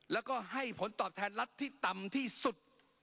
แล้วก็ให้ผลตอบแทนรัฐที่ต่ำที่สุด